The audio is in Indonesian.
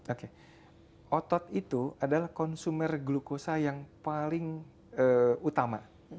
oke otot itu adalah konsumer glukosa yang paling utama